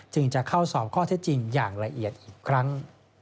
จะเข้าสอบข้อเท็จจริงอย่างละเอียดอีกครั้ง